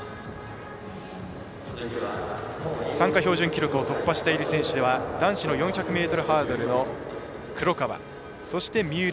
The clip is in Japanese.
参加標準記録を突破している選手は男子の４００ｍハードルの黒川、そして三浦。